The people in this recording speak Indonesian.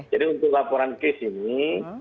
jadi untuk laporan kes ini